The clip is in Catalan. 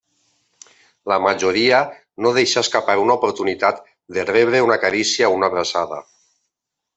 La majoria no deixa escapar una oportunitat de rebre una carícia o una abraçada.